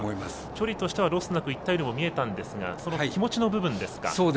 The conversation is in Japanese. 距離としてはロスなくいったようにも思ったんですが気持ちの部分でしょうか。